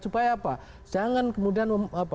supaya apa jangan kemudian